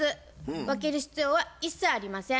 分ける必要は一切ありません。